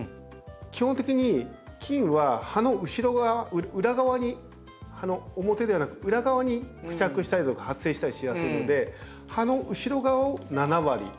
基本的に菌は葉の後ろ側裏側に葉の表ではなく裏側に付着したりとか発生したりしやすいので葉の後ろ側を７割。